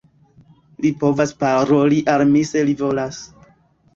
Li povas paroli al mi se li volas.